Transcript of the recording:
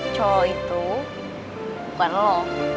cowok itu bukan lo